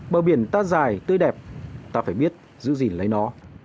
bờ biển ta dài tươi đẹp ta phải biết giữ gìn lấy nó